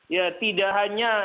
ya tidak hanya